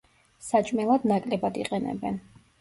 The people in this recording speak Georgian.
საჭმელად ნაკლებად იყენებენ.